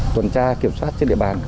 tuần tra kiểm soát trên địa bàn